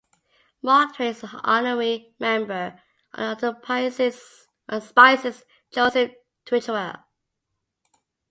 Mark Twain is an honorary member, under the auspices Joseph Twichell.